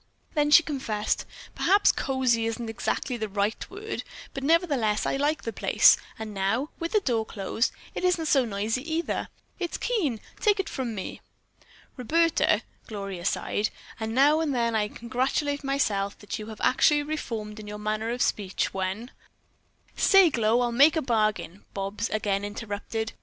Then she confessed, "Perhaps cozy isn't exactly the right word, but nevertheless I like the place, and now, with the door closed, it isn't so noisy either. It's keen, take it from me." "Roberta," Gloria sighed, "now and then I congratulate myself that you have actually reformed in your manner of speech, when " "Say, Glow, I'll make a bargain," Bobs again interrupted.